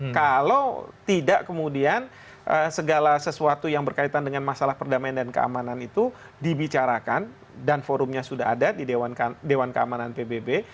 karena kalau tidak kemudian segala sesuatu yang berkaitan dengan masalah perdamaian dan keamanan itu dibicarakan dan forumnya sudah ada di dewan keamanan pbb